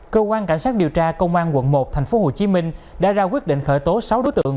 cơ quan cảnh sát điều tra công an quận một tp hcm đã ra quyết định khởi tố sáu đối tượng